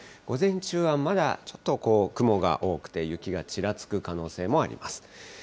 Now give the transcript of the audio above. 午前中はまだちょっとこう、雲が多くて、雪がちらつく可能性もあります。